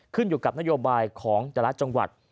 ขึ้นอยู่กับนโยบายของแต่ละจังหวัด